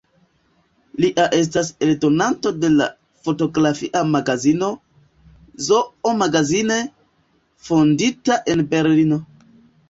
Lia estas eldonanto de la fotografia magazino „Zoo Magazine“, fondita en Berlino.